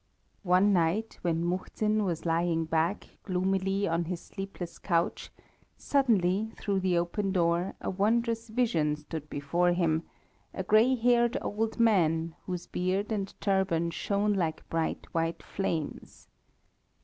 One night, when Muhzin was lying back gloomily on his sleepless couch, suddenly, through the open door, a wondrous vision stood before him a grey haired old man, whose beard and turban shone like bright white flames.